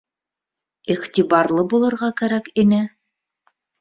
Иғтибарлы булырға кәрәк ине.